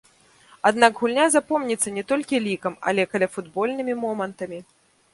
Аднак гульня запомніцца не толькі лікам, але каляфутбольнымі момантамі.